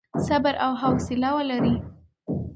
صبر او حوصله ولرئ.